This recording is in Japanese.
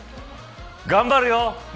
頑張れよ。